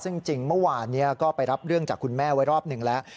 ซึ่งจริงเมื่อวานนี้ก็ไปรับเรื่องจากคุณแม่ไว้รอบหนึ่งแล้ว